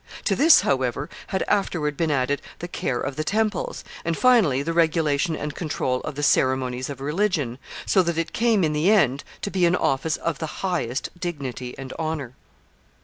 To this, however, had afterward been added the care of the temples, and finally the regulation and control of the ceremonies of religion, so that it came in the end to be an office of the highest dignity and honor.